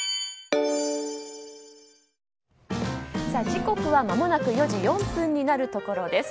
時刻はまもなく４時４分になるところです。